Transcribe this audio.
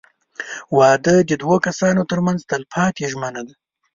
• واده د دوه کسانو تر منځ تلپاتې ژمنه ده.